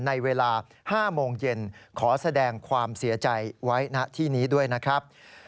ในเวลา๕โมงเย็นขอแสดงความเสียใจไว้ณที่นี้ด้วยนะครับ